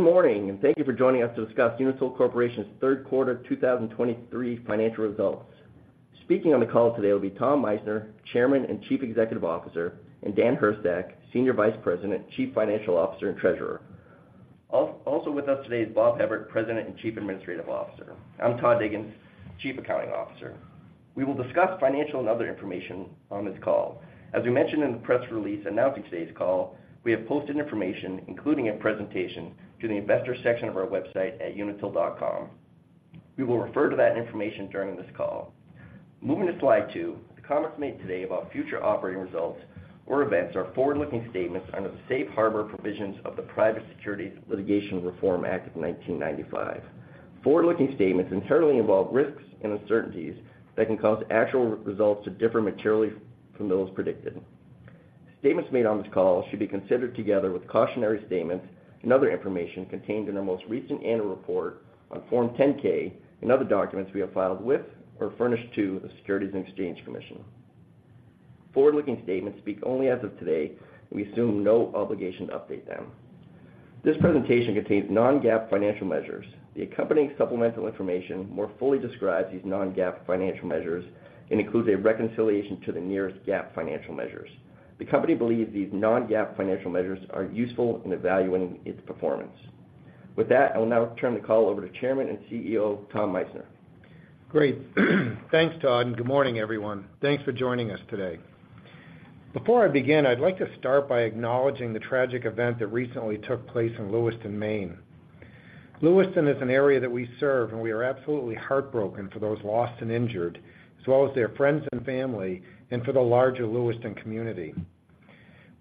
Good morning, and thank you for joining us to discuss Unitil Corporation's third quarter 2023 financial results. Speaking on the call today will be Tom Meissner, Chairman and Chief Executive Officer, and Dan Hurstak, Senior Vice President, Chief Financial Officer, and Treasurer. Also with us today is Bob Hevert, President and Chief Administrative Officer. I'm Todd Diggins, Chief Accounting Officer. We will discuss financial and other information on this call. As we mentioned in the press release announcing today's call, we have posted information, including a presentation, to the investor section of our website at unitil.com. We will refer to that information during this call. Moving to slide two, the comments made today about future operating results or events are forward-looking statements under the safe harbor provisions of the Private Securities Litigation Reform Act of 1995. Forward-looking statements inherently involve risks and uncertainties that can cause actual results to differ materially from those predicted. Statements made on this call should be considered together with cautionary statements and other information contained in our most recent annual report on Form 10-K and other documents we have filed with or furnished to the Securities and Exchange Commission. Forward-looking statements speak only as of today, and we assume no obligation to update them. This presentation contains non-GAAP financial measures. The accompanying supplemental information more fully describes these non-GAAP financial measures and includes a reconciliation to the nearest GAAP financial measures. The company believes these non-GAAP financial measures are useful in evaluating its performance. With that, I will now turn the call over to Chairman and CEO, Tom Meissner. Great. Thanks, Todd, and good morning, everyone. Thanks for joining us today. Before I begin, I'd like to start by acknowledging the tragic event that recently took place in Lewiston, Maine. Lewiston is an area that we serve, and we are absolutely heartbroken for those lost and injured, as well as their friends and family, and for the larger Lewiston community.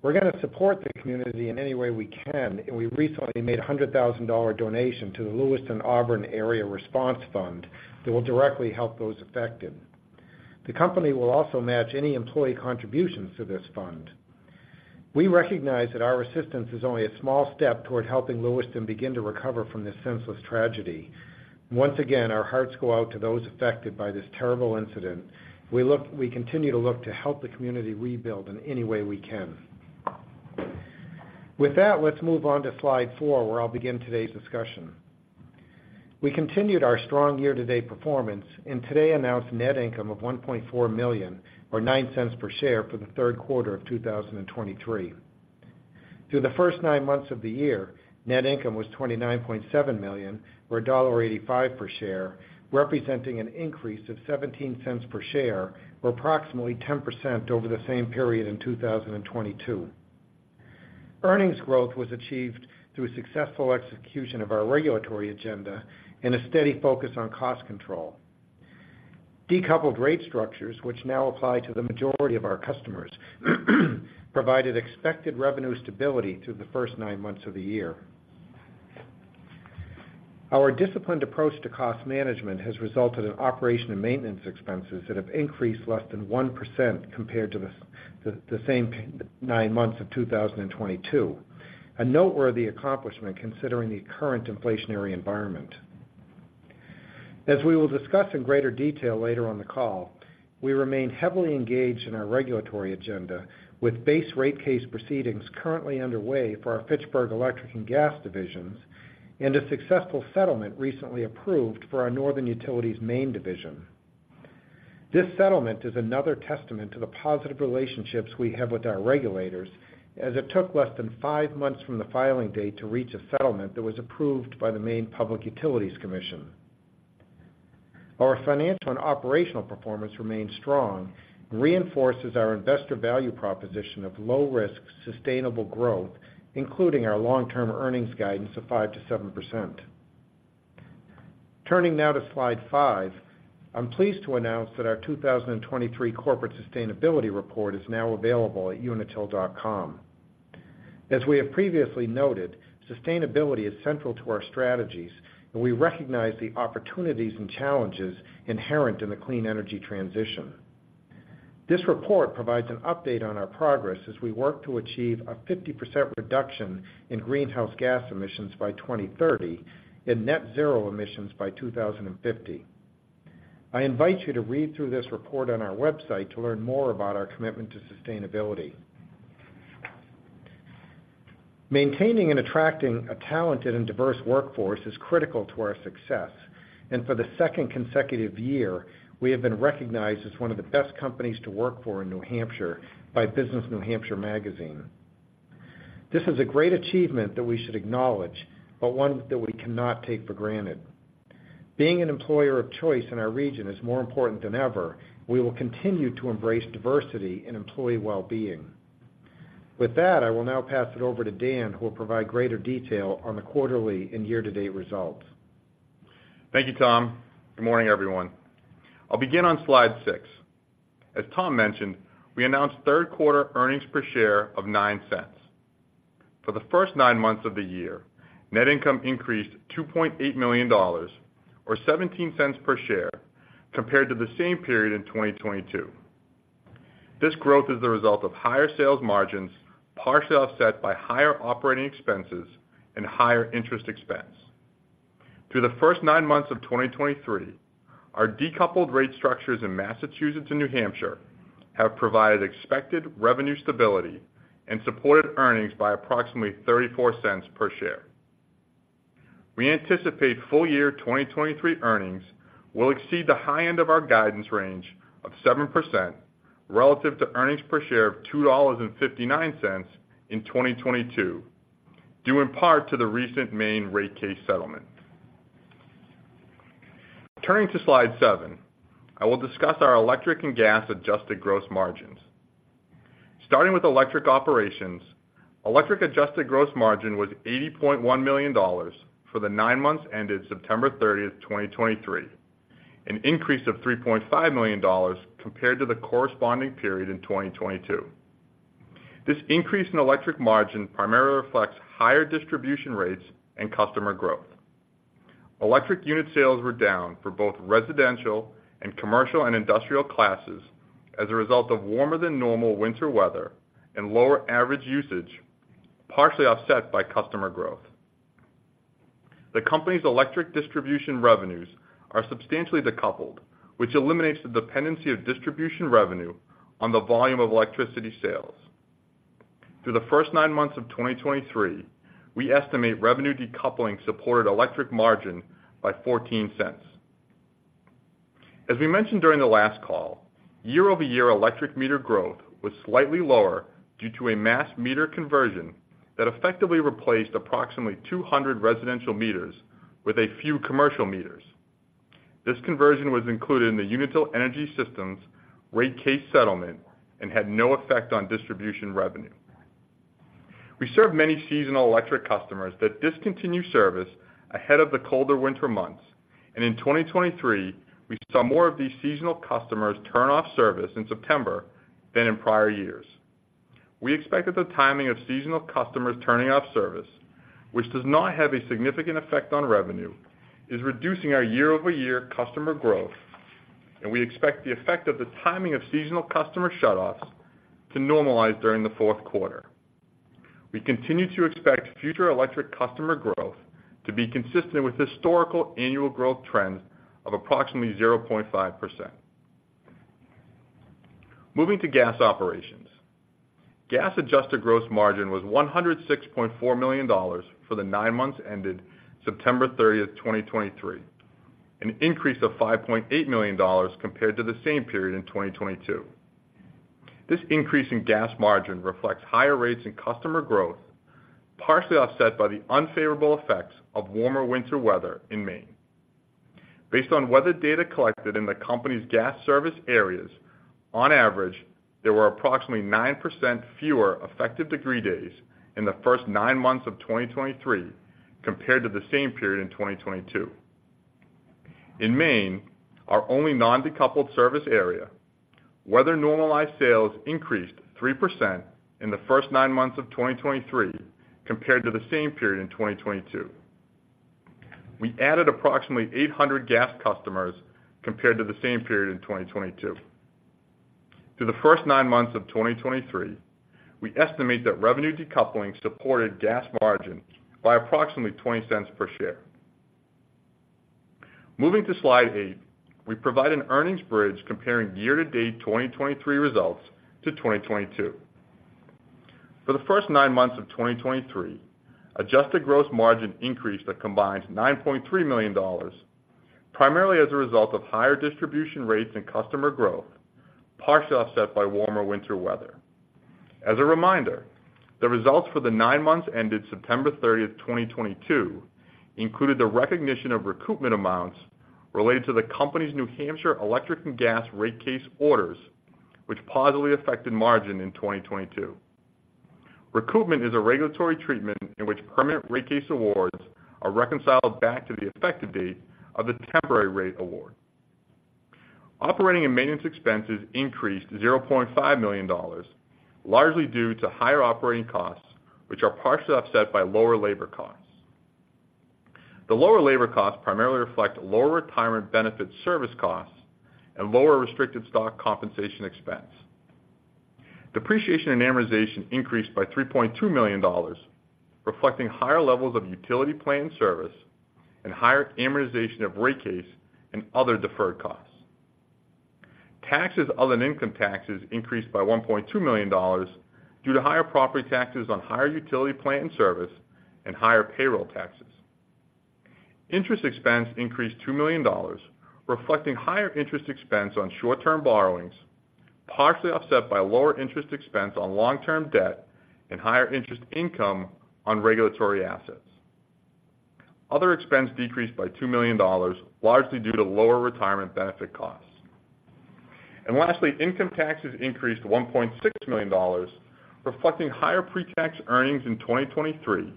We're gonna support the community in any way we can, and we recently made a $100,000 donation to the Lewiston-Auburn Area Response Fund that will directly help those affected. The company will also match any employee contributions to this fund. We recognize that our assistance is only a small step toward helping Lewiston begin to recover from this senseless tragedy. Once again, our hearts go out to those affected by this terrible incident. We continue to look to help the community rebuild in any way we can. With that, let's move on to slide four, where I'll begin today's discussion. We continued our strong year-to-date performance and today announced net income of $1.4 million, or $0.09 per share for the third quarter of 2023. Through the first nine months of the year, net income was $29.7 million, or $1.85 per share, representing an increase of $0.17 per share or approximately 10% over the same period in 2022. Earnings growth was achieved through a successful execution of our regulatory agenda and a steady focus on cost control. Decoupled rate structures, which now apply to the majority of our customers, provided expected revenue stability through the first nine months of the year. Our disciplined approach to cost management has resulted in operation and maintenance expenses that have increased less than 1% compared to the same nine months of 2022. A noteworthy accomplishment, considering the current inflationary environment. As we will discuss in greater detail later on in the call, we remain heavily engaged in our regulatory agenda, with base rate case proceedings currently underway for our Fitchburg Electric and Gas divisions, and a successful settlement recently approved for our Northern Utilities Maine division. This settlement is another testament to the positive relationships we have with our regulators, as it took less than five months from the filing date to reach a settlement that was approved by the Maine Public Utilities Commission. Our financial and operational performance remains strong and reinforces our investor value proposition of low-risk, sustainable growth, including our long-term earnings guidance of 5%-7%. Turning now to slide five, I'm pleased to announce that our 2023 Corporate Sustainability Report is now available at unitil.com. As we have previously noted, sustainability is central to our strategies, and we recognize the opportunities and challenges inherent in the clean energy transition. This report provides an update on our progress as we work to achieve a 50% reduction in greenhouse gas emissions by 2030 and net zero emissions by 2050. I invite you to read through this report on our website to learn more about our commitment to sustainability. Maintaining and attracting a talented and diverse workforce is critical to our success, and for the second consecutive year, we have been recognized as one of the best companies to work for in New Hampshire by Business New Hampshire Magazine. This is a great achievement that we should acknowledge, but one that we cannot take for granted. Being an employer of choice in our region is more important than ever. We will continue to embrace diversity and employee well-being. With that, I will now pass it over to Dan, who will provide greater detail on the quarterly and year-to-date results. Thank you, Tom. Good morning, everyone. I'll begin on slide six. As Tom mentioned, we announced third-quarter earnings per share of $0.09. For the first 9 months of the year, net income increased $2.8 million, or $0.17 per share, compared to the same period in 2022. This growth is the result of higher sales margins, partially offset by higher operating expenses and higher interest expense. Through the first nine months of 2023, our decoupled rate structures in Massachusetts and New Hampshire have provided expected revenue stability and supported earnings by approximately $0.34 per share. We anticipate full year 2023 earnings will exceed the high end of our guidance range of 7%, relative to earnings per share of $2.59 in 2022, due in part to the recent Maine rate case settlement. Turning to slide seven, I will discuss our electric and gas adjusted gross margins. Starting with electric operations, electric adjusted gross margin was $80.1 million for the nine months ended September 30, 2023, an increase of $3.5 million compared to the corresponding period in 2022. This increase in electric margin primarily reflects higher distribution rates and customer growth. Electric unit sales were down for both residential and commercial and industrial classes as a result of warmer than normal winter weather and lower average usage, partially offset by customer growth. The company's electric distribution revenues are substantially decoupled, which eliminates the dependency of distribution revenue on the volume of electricity sales. Through the first nine months of 2023, we estimate revenue decoupling supported electric margin by $0.14. As we mentioned during the last call, year-over-year electric meter growth was slightly lower due to a mass meter conversion that effectively replaced approximately 200 residential meters with a few commercial meters. This conversion was included in the Unitil Energy Systems rate case settlement and had no effect on distribution revenue. We serve many seasonal electric customers that discontinue service ahead of the colder winter months, and in 2023, we saw more of these seasonal customers turn off service in September than in prior years. We expect that the timing of seasonal customers turning off service, which does not have a significant effect on revenue, is reducing our year-over-year customer growth, and we expect the effect of the timing of seasonal customer shutoffs to normalize during the fourth quarter. We continue to expect future electric customer growth to be consistent with historical annual growth trends of approximately 0.5%. Moving to gas operations. Gas adjusted gross margin was $106.4 million for the nine months ended September 30, 2023, an increase of $5.8 million compared to the same period in 2022. This increase in gas margin reflects higher rates in customer growth, partially offset by the unfavorable effects of warmer winter weather in Maine. Based on weather data collected in the company's gas service areas, on average, there were approximately 9% fewer effective degree days in the first nine months of 2023 compared to the same period in 2022. In Maine, our only non-decoupled service area, weather normalized sales increased 3% in the first nine months of 2023 compared to the same period in 2022. We added approximately 800 gas customers compared to the same period in 2022. Through the first nine months of 2023, we estimate that revenue decoupling supported gas margin by approximately $0.20 per share. Moving to slide eight, we provide an earnings bridge comparing year-to-date 2023 results to 2022. For the first nine months of 2023, adjusted gross margin increased a combined $9.3 million, primarily as a result of higher distribution rates and customer growth, partially offset by warmer winter weather. As a reminder, the results for the nine months ended September 30, 2022, included the recognition of recoupment amounts related to the company's New Hampshire Electric and Gas rate case orders, which positively affected margin in 2022. Recoupment is a regulatory treatment in which permanent rate case awards are reconciled back to the effective date of the temporary rate award. Operating and maintenance expenses increased $0.5 million, largely due to higher operating costs, which are partially offset by lower labor costs. The lower labor costs primarily reflect lower retirement benefit service costs and lower restricted stock compensation expense. Depreciation and amortization increased by $3.2 million, reflecting higher levels of utility plant in service, and higher amortization of rate case and other deferred costs. Taxes other than income taxes increased by $1.2 million due to higher property taxes on higher utility plant in service and higher payroll taxes. Interest expense increased $2 million, reflecting higher interest expense on short-term borrowings, partially offset by lower interest expense on long-term debt and higher interest income on regulatory assets. Other expense decreased by $2 million, largely due to lower retirement benefit costs. And lastly, income taxes increased to $1.6 million, reflecting higher pre-tax earnings in 2023,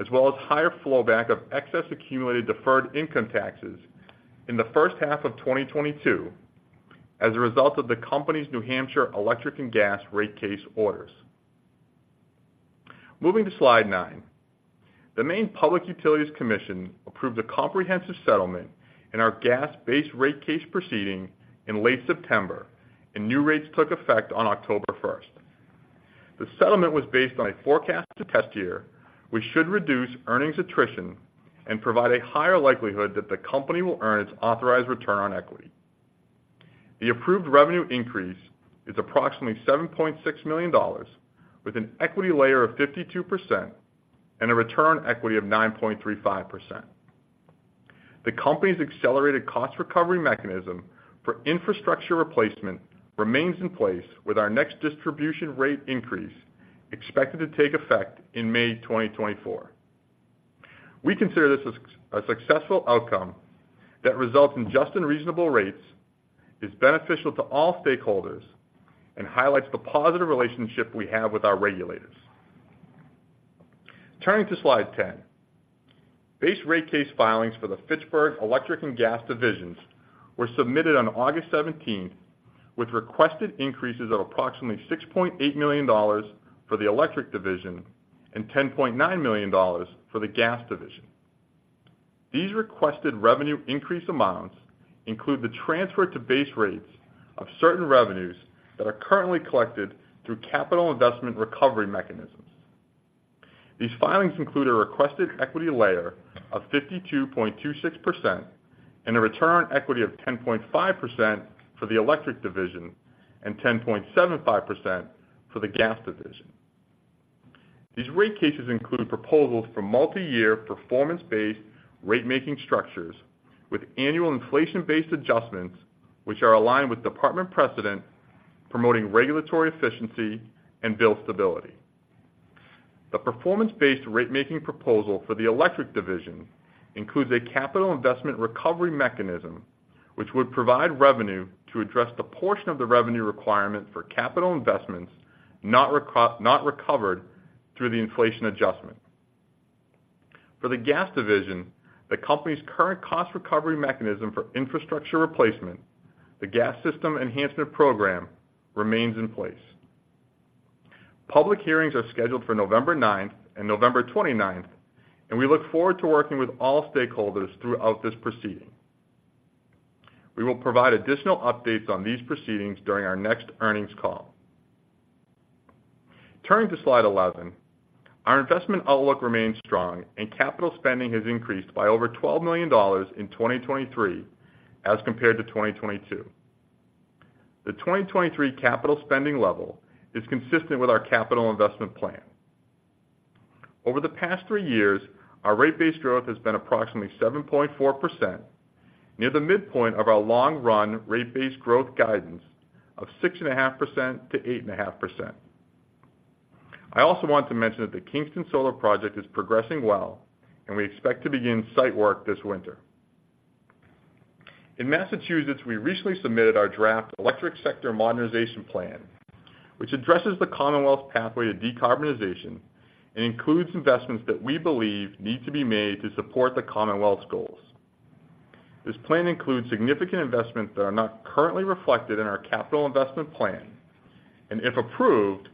as well as higher flowback of excess accumulated deferred income taxes in the first half of 2022, as a result of the company's New Hampshire Electric and Gas rate case orders. Moving to slide nine. The Maine Public Utilities Commission approved a comprehensive settlement in our gas-based rate case proceeding in late September, and new rates took effect on October 1. The settlement was based on a forecast test year, which should reduce earnings attrition and provide a higher likelihood that the company will earn its authorized return on equity. The approved revenue increase is approximately $7.6 million, with an equity layer of 52% and a return on equity of 9.35%. The company's accelerated cost recovery mechanism for infrastructure replacement remains in place, with our next distribution rate increase expected to take effect in May 2024. We consider this a successful outcome that results in just and reasonable rates, is beneficial to all stakeholders, and highlights the positive relationship we have with our regulators. Turning to slide 10. Base rate case filings for the Fitchburg Electric and Gas divisions were submitted on August 17, with requested increases of approximately $6.8 million for the electric division and $10.9 million for the gas division. These requested revenue increase amounts include the transfer to base rates of certain revenues that are currently collected through capital investment recovery mechanisms. These filings include a requested equity layer of 52.26% and a return on equity of 10.5% for the electric division and 10.75% for the gas division. These rate cases include proposals for multi-year, performance-based ratemaking structures with annual inflation-based adjustments, which are aligned with department precedent, promoting regulatory efficiency and bill stability. The performance-based ratemaking proposal for the electric division includes a capital investment recovery mechanism, which would provide revenue to address the portion of the revenue requirement for capital investments not recovered through the inflation adjustment. For the gas division, the company's current cost recovery mechanism for infrastructure replacement, the Gas System Enhancement Program, remains in place. Public hearings are scheduled for November ninth and November twenty-ninth, and we look forward to working with all stakeholders throughout this proceeding. We will provide additional updates on these proceedings during our next earnings call. Turning to slide 11. Our investment outlook remains strong, and capital spending has increased by over $12 million in 2023 as compared to 2022. The 2023 capital spending level is consistent with our capital investment plan. Over the past three years, our rate base growth has been approximately 7.4%, near the midpoint of our long-run rate base growth guidance of 6.5%-8.5%. I also want to mention that the Kingston Solar project is progressing well, and we expect to begin site work this winter. In Massachusetts, we recently submitted our draft Electric Sector Modernization Plan, which addresses the Commonwealth's pathway to decarbonization and includes investments that we believe need to be made to support the Commonwealth's goals. This plan includes significant investments that are not currently reflected in our capital investment plan, and if approved,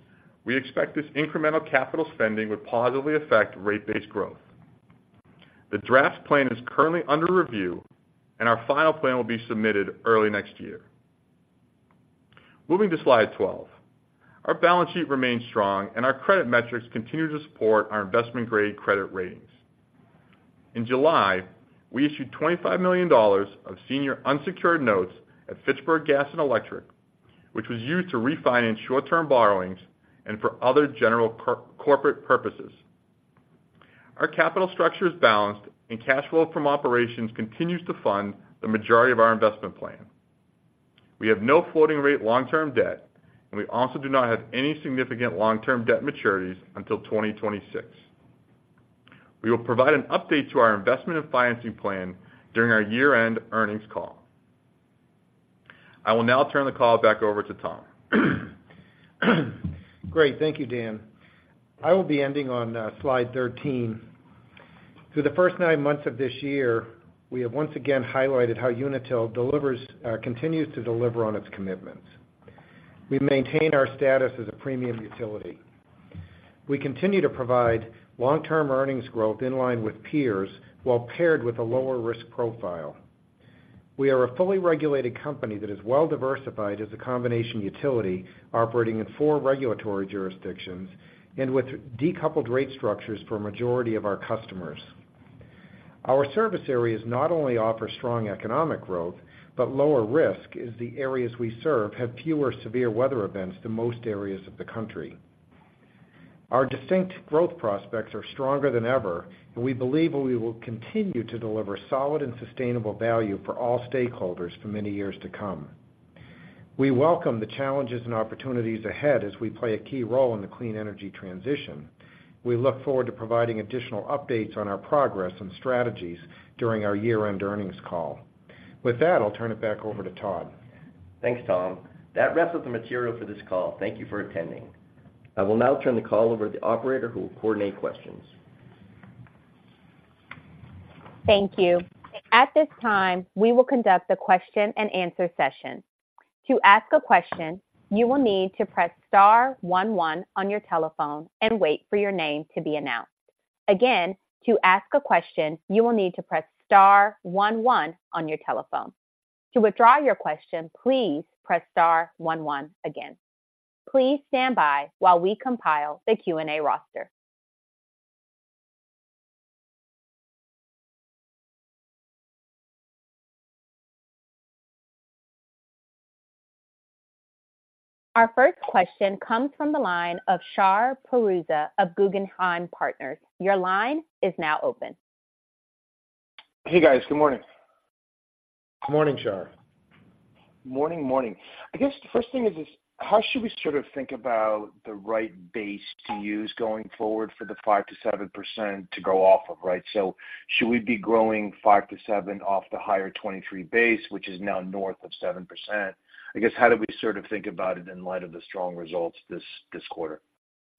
we expect this incremental capital spending would positively affect rate base growth. The draft plan is currently under review, and our final plan will be submitted early next year. Moving to slide 12. Our balance sheet remains strong, and our credit metrics continue to support our investment-grade credit ratings. In July, we issued $25 million of senior unsecured notes at Fitchburg Gas & Electric, which was used to refinance short-term borrowings and for other general corporate purposes. Our capital structure is balanced, and cash flow from operations continues to fund the majority of our investment plan. We have no floating-rate long-term debt, and we also do not have any significant long-term debt maturities until 2026. We will provide an update to our investment and financing plan during our year-end earnings call. I will now turn the call back over to Tom. Great. Thank you, Dan. I will be ending on slide 13. Through the first nine months of this year, we have once again highlighted how Unitil delivers, continues to deliver on its commitments. We've maintained our status as a premium utility. We continue to provide long-term earnings growth in line with peers, while paired with a lower risk profile. We are a fully regulated company that is well-diversified as a combination utility, operating in four regulatory jurisdictions and with decoupled rate structures for a majority of our customers. Our service areas not only offer strong economic growth, but lower risk, as the areas we serve have fewer severe weather events than most areas of the country. Our distinct growth prospects are stronger than ever, and we believe we will continue to deliver solid and sustainable value for all stakeholders for many years to come. We welcome the challenges and opportunities ahead as we play a key role in the clean energy transition. We look forward to providing additional updates on our progress and strategies during our year-end earnings call. With that, I'll turn it back over to Todd. Thanks, Tom. That wraps up the material for this call. Thank you for attending. I will now turn the call over to the operator, who will coordinate questions. Thank you. At this time, we will conduct a question-and-answer session. To ask a question, you will need to press star one one on your telephone and wait for your name to be announced. Again, to ask a question, you will need to press star one one on your telephone. To withdraw your question, please press star one one again. Please stand by while we compile the Q&A roster. Our first question comes from the line of Shar Pourreza of Guggenheim Partners. Your line is now open. Hey, guys. Good morning. Good morning, Shar. Morning, morning. I guess the first thing is, is how should we sort of think about the right base to use going forward for the 5%-7% to grow off of, right? So should we be growing 5%-7% off the higher 2023 base, which is now north of 7%? I guess, how do we sort of think about it in light of the strong results this, this quarter,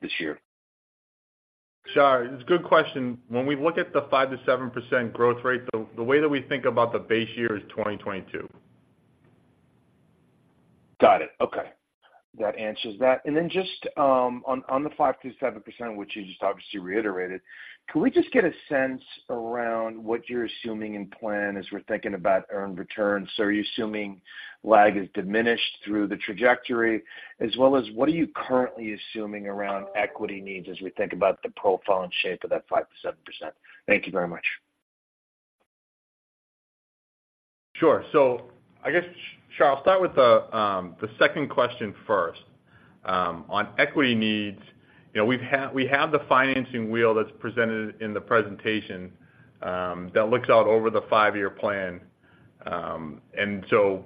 this year? Shar, it's a good question. When we look at the 5%-7% growth rate, the way that we think about the base year is 2022. Got it. Okay. That answers that. And then just, on, on the 5%-7%, which you just obviously reiterated, can we just get a sense around what you're assuming in plan as we're thinking about earned returns? So are you assuming lag is diminished through the trajectory, as well as what are you currently assuming around equity needs as we think about the profile and shape of that 5%-7%? Thank you very much. Sure. So I guess, Shar, I'll start with the second question first. On equity needs, you know, we have the financing wheel that's presented in the presentation, that looks out over the five-year plan. And so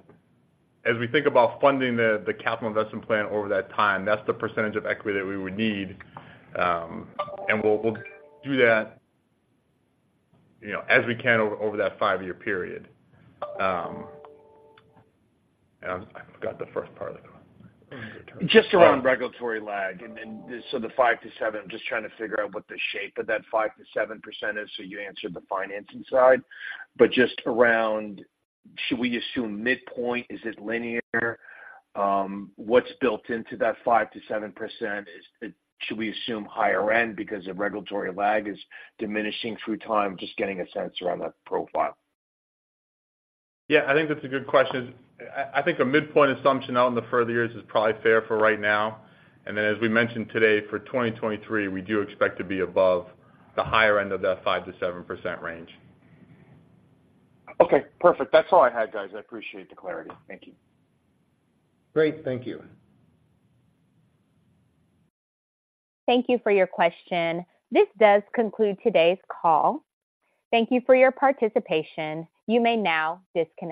as we think about funding the capital investment plan over that time, that's the percentage of equity that we would need. And we'll do that, you know, as we can over that five-year period. And I forgot the first part of the question. Just around regulatory lag and so the 5%-7%, I'm just trying to figure out what the shape of that 5%-7% is. So you answered the financing side, but just around, should we assume midpoint? Is it linear? What's built into that 5%-7%? Is it - should we assume higher end because the regulatory lag is diminishing through time? Just getting a sense around that profile. Yeah, I think that's a good question. I think a midpoint assumption out in the further years is probably fair for right now. And then, as we mentioned today, for 2023, we do expect to be above the higher end of that 5%-7% range. Okay, perfect. That's all I had, guys. I appreciate the clarity. Thank you. Great. Thank you. Thank you for your question. This does conclude today's call. Thank you for your participation. You may now disconnect.